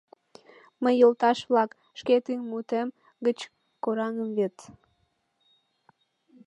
— Мый йолташ-влак, шке тӱҥ мутем гыч кораҥым вет.